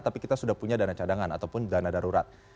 tapi kita sudah punya dana cadangan ataupun dana darurat